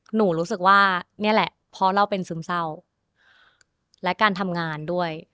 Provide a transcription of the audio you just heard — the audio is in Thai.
หนูรู้สึกว่านี่แหละเพราะเราเป็นซึมเศร้าและการทำงานด้วย